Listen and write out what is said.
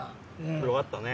よかったね。